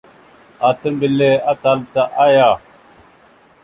Ata mbelle atal ata aya.